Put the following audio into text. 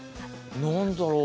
何だろう？